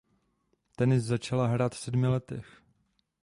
Tenis začala hrát v sedmi letech.